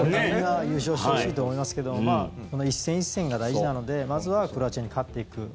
優勝してほしいと思いますけど１戦１戦が大事なのでまずはクロアチアに勝っていく。